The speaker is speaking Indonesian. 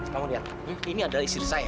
kamu lihat ini adalah istri saya